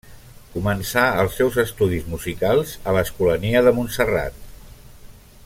Començà els seus estudis musicals a l'Escolania de Montserrat.